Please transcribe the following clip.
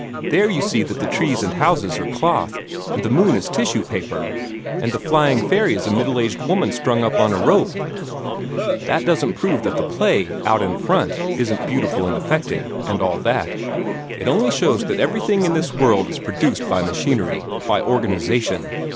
THERE you see that the trees and houses are cloth, and the moon is tissue paper, and the flying fairy is a middle aged woman strung up on a rope. That doesn't prove that the play, out in front, isn't beautiful and affecting, and all that. It only shows that everything in this world is produced by machinery by organization.